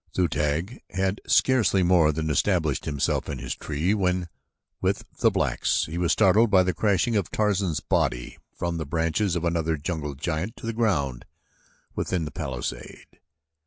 Zu tag had scarcely more than established himself in his tree when, with the blacks, he was startled by the crashing of Tarzan's body from the branches of another jungle giant to the ground within the palisade.